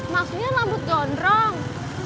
maksudnya rambut gondrong